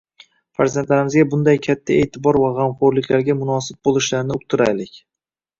Farzandlarimizga bunday katta etibor va g‘amho‘rliklarga munosib bo‘lishlarini uqtiraylik